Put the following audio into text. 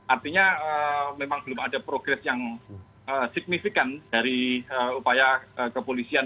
artinya memang belum ada progres yang signifikan dari upaya kepolisian